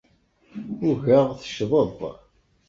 Ugaɣ teccḍed.